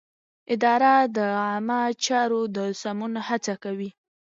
اداره د عامه چارو د سمون هڅه کوي.